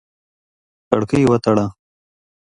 کړکۍ وتړه!